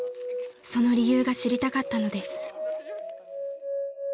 ［その理由が知りたかったのです］